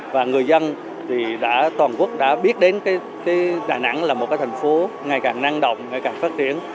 và người dân thì đã toàn quốc đã biết đến đà nẵng là một thành phố ngày càng năng động ngày càng phát triển